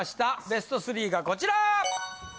ベスト３がこちら！